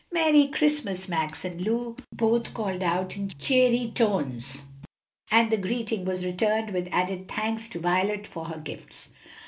"Merry Christmas, Max and Lulu," both called out in cheery tones, and the greeting was returned with added thanks to Violet for her gifts.